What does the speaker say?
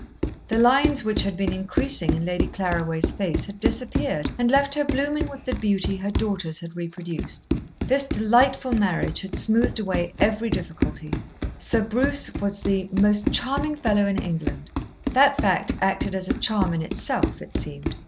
The lines which had been increasing in Lady Claraway's face had disappeared, and left her blooming with the beauty her daughters had reproduced. This delightful marriage had smoothed away every difficulty. Sir Bruce was the "most charming fellow in England." That fact acted as a charm in itself, it seemed.